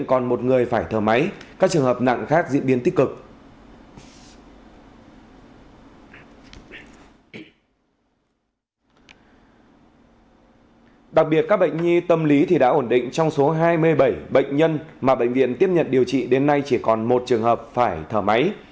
các bác sĩ đã ổn định trong số hai mươi bảy bệnh nhân mà bệnh viện tiếp nhận điều trị đến nay chỉ còn một trường hợp phải thở máy